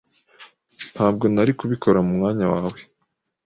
Ntabwo nari kubikora mu mwanya wawe.